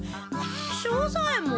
庄左ヱ門。